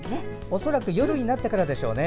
恐らく夜になってからでしょうね。